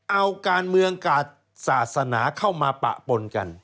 เอาการเมืองกาศศาสนาเข้ามาปะปนกัน